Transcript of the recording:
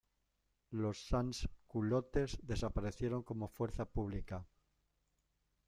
Los "sans-culottes" desaparecieron como fuerza pública.